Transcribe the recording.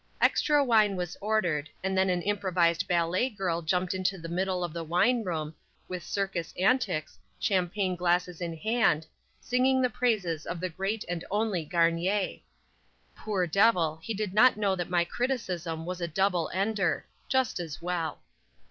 Extra wine was ordered, and then an improvised ballet girl jumped into the middle of the wine room, with circus antics, champagne glasses in hand, singing the praises of the great and only Garnier! Poor devil, he did not know that my criticism was a double ender. Just as well.